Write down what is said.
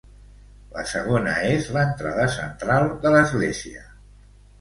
La segona és l'entrada central de l'església.